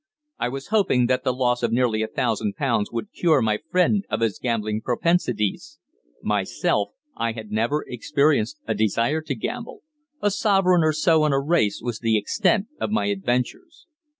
I was hoping that the loss of nearly a thousand pounds would cure my friend of his gambling propensities. Myself, I had never experienced a desire to gamble. A sovereign or so on a race was the extent of my adventures.